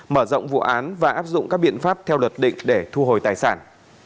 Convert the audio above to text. mở rộng vụ án và áp dụng các biện pháp theo luật định để thu hồi tài sản